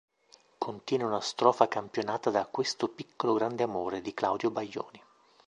Contiene una strofa campionata da "Questo piccolo grande amore" di Claudio Baglioni.